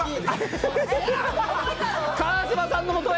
川島さんのもとへ。